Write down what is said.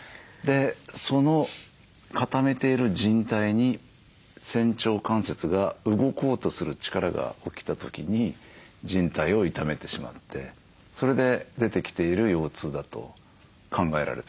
その固めている靭帯に仙腸関節が動こうとする力が起きた時に靭帯を痛めてしまってそれで出てきている腰痛だと考えられてます。